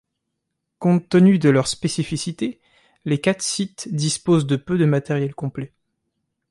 Compte tenu de leur spécificité, les quatre sites disposent de peu de matériels complets.